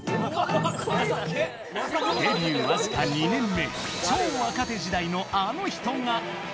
デビュー僅か２年目、超若手時代のあの人が。